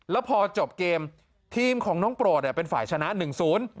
แล้วพอจบเกมทีมของน้องโปรดเนี่ยเป็นฝ่ายชนะหนึ่งศูนย์